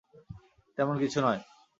তেমন কিছু নয়।